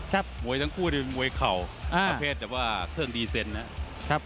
หมวยทั้งคู่เป็นหมวยเข่าอย่างประเภทว่าเครื่องดีเซ็นต์